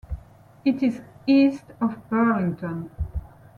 It is east of Burlington.